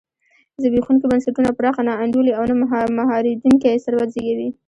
زبېښونکي بنسټونه پراخه نا انډولي او نه مهارېدونکی ثروت زېږوي.